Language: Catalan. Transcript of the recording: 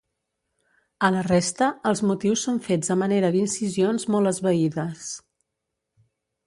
A la resta, els motius són fets a manera d'incisions molt esvaïdes.